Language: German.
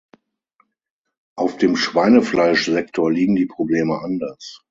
Auf dem Schweinefleischsektor liegen die Probleme anders.